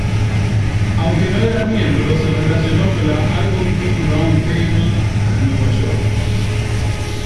Aunque no era miembro, se relacionó con la "Algonquin Round Table" de Nueva York.